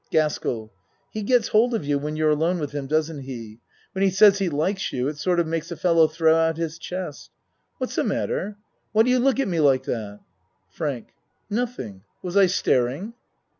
} GASKBLL He get's hold of you when you're alone with him, doesn't he? When he says he likes you it sort of makes a fellow throw out his chest. What's the matter? Why do you look at me like that? FRANK Nothing. Was I staring?